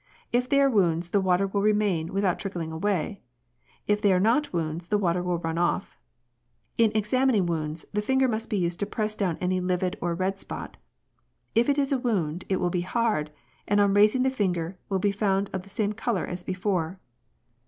If they are wounds the water \\\\\ remain without trickling away; if they are not wounds, the water Avill run off. In examining wounds, the finger must be used to press down any livid or red spot. If it is a wound it will be hard, and on raising the finger will be found of the same colour as before.